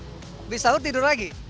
habis sahur tidur lagi